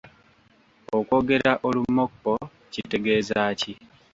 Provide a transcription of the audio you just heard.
Okwogera olumokko kitegeeza ki?